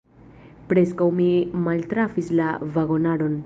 Preskaŭ mi maltrafis la vagonaron.